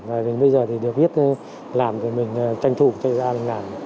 bây giờ thì được biết làm rồi mình tranh thủ chạy ra làm